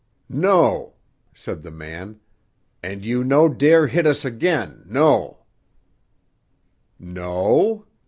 "No," said the man. "And you no dare hit us again, no." "No?"